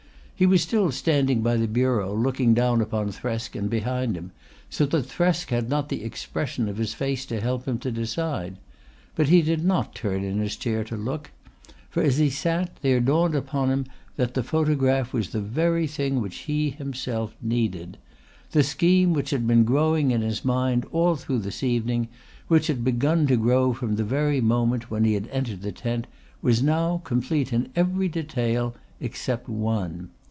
He was still standing by the bureau looking down upon Thresk and behind him, so that Thresk had not the expression of his face to help him to decide. But he did not turn in his chair to look. For as he sat there it dawned upon him that the photograph was the very thing which he himself needed. The scheme which had been growing in his mind all through this evening, which had begun to grow from the very moment when he had entered the tent, was now complete in every detail except one.